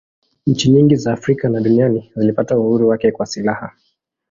nchi nyingi za afrika na duniani zilipata uhuru wake kwa silaha